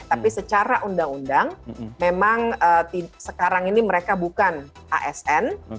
tapi secara undang undang memang sekarang ini mereka bukan asn